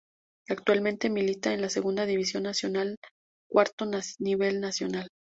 Actualmente milita en la Segunda División Nacional, cuarto nivel nacional.